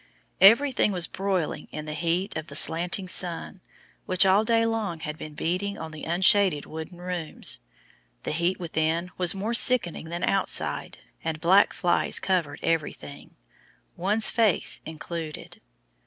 Everything was broiling in the heat of the slanting sun, which all day long had been beating on the unshaded wooden rooms. The heat within was more sickening than outside, and black flies covered everything, one's face included.